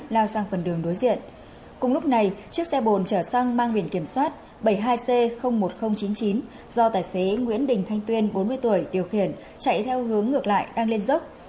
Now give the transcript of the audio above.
lúc này chiếc xe bồn trở sang mang quyền kiểm soát bảy mươi hai c một nghìn chín mươi chín do tài xế nguyễn đình thanh tuyên bốn mươi tuổi điều khiển chạy theo hướng ngược lại đang lên dốc